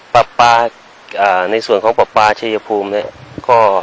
ประปาในส่วนของประปาเฉยภูมิเนี่ย